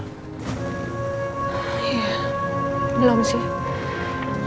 iya belum sih